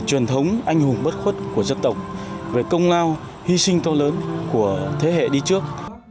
truyền thống anh hùng bất khuất của dân tộc về công lao hy sinh to lớn của thế hệ đi trước